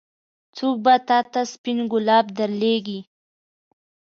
څوک به تا ته سپين ګلاب درلېږي.